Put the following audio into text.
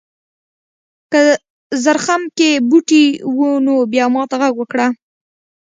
که زرخم کې بوټي و نو بیا ماته غږ وکړه.